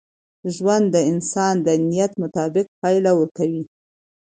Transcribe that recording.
ژوند د انسان د نیت مطابق پایله ورکوي.